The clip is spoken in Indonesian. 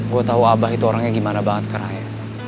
gue tau abah itu orangnya gimana banget ke raya